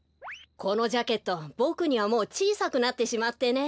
このジャケットボクにはもうちいさくなってしまってね。